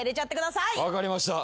分かりました。